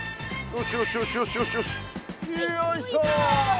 よいしょ！